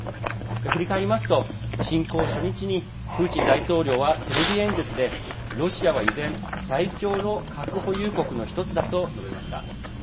振り返りますと、侵攻初日にプーチン大統領はテレビ演説でロシアは依然、最強の核保有国のひとつだと述べました。